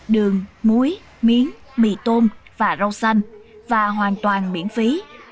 đường muối miến mì tôm và rau xanh và hoàn toàn miễn phí